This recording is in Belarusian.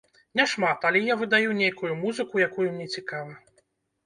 Не шмат, але я выдаю нейкую музыку, якую мне цікава.